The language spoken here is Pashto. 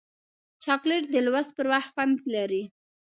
چاکلېټ د لوست پر وخت خوند لري.